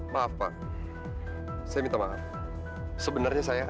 maaf pak saya minta maaf sebenarnya saya